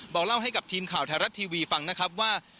บอกเล่าให้กับทีมข่าวไทยรัฐทีวีฟังนะครับว่า